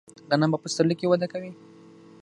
غنم په پسرلي کې وده کوي.